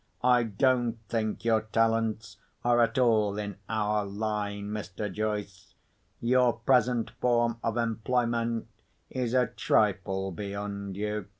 "I don't think your talents are at all in our line, Mr. Joyce. Your present form of employment is a trifle beyond you.